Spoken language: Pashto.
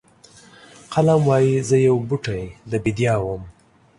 قلم وایي زه یو بوټی د بیدیا وم.